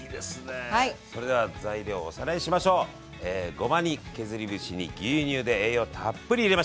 ごまに削り節に牛乳で栄養たっぷり入れました！